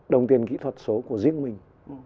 đồng tiền kỹ thuật số của zip mình